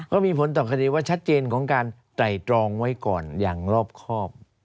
ก็มีผลต่อคดีว่าชัดเจนของการไตรตรองไว้ก่อนอย่างรอบครอบ